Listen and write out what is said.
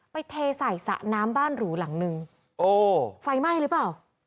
เทใส่สระน้ำบ้านหรูหลังนึงโอ้ไฟไหม้หรือเปล่า